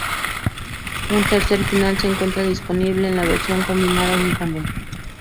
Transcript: Un tercer final se encuentra disponible en la versión combinada únicamente.